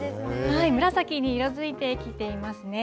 紫に色づいてきていますね。